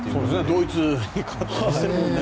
ドイツに勝ったりしてるもんね。